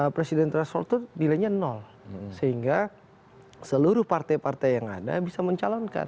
presidential short itu nilainya sehingga seluruh partai partai yang ada bisa mencalonkan